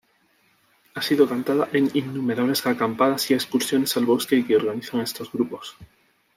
Ha sido cantada en innumerables acampadas y excursiones al bosque que organizan estos grupos.